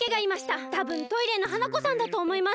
たぶんトイレの花子さんだとおもいます。